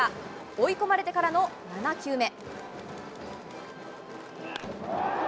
追い込まれてからの７球目。